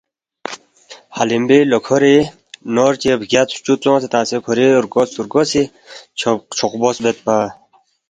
حلیمبی لوکھوری نور چی بگیاد فچو ژونگسے تنگسے کھوری رگوس رگوسی چھوقبوس بید پا۔